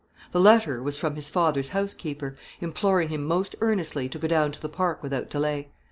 The letter was from his father's housekeeper, imploring him most earnestly to go down to the Park without delay.